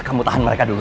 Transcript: kamu tahan mereka dulu